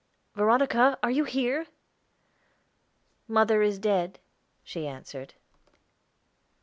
"Veronica, are you here?" "Mother is dead," she answered.